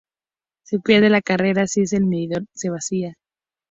Se pierde la carrera si el medidor se vacía.